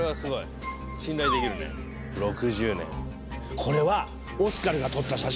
これはオスカルが撮った写真。